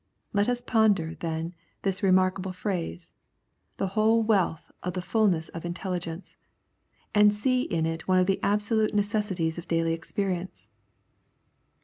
Let us ponder, then, this re markable phrase, " the whole wealth of the fulness of intelligence," and see in it one of the absolute necessities of daily experience.